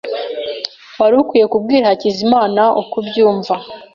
Wari ukwiye kubwira Hakizimana uko ubyumva.